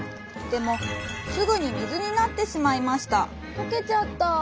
とけちゃった。